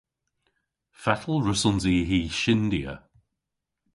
Fatel wrussons i hy shyndya?